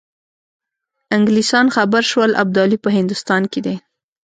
انګلیسان خبر شول ابدالي په هندوستان کې دی.